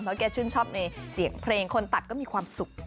เพราะแกชื่นชอบในเสียงเพลงคนตัดก็มีความสุข